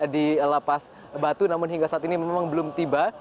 di lapas batu namun hingga saat ini memang belum tiba